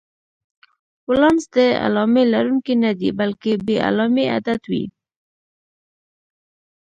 ولانس د علامې لرونکی نه دی، بلکې بې علامې عدد وي.